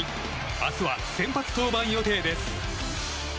明日は先発登板予定です。